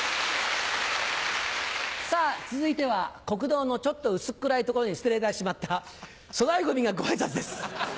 続いては国道のちょっと薄っ暗い所に捨てられてしまった粗大ゴミがご挨拶です。